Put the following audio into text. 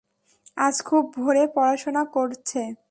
আজ খুব ভোরে পড়াশোনা করছে।